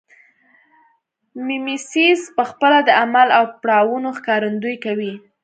میمیسیس پخپله د عمل او پړاوونو ښکارندویي کوي